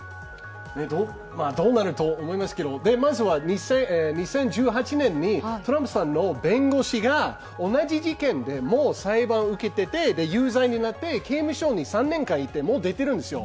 どうなるかと思いますけど、まずは２０１８年にトランプさんの弁護士が同じ事件でも裁判を受けていて有罪になって、刑務所に３年間いて、もう出てるんですよ。